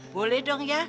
boleh dong ya